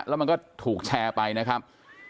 แล้วมันก็ถูกแชร์ไปนะครับ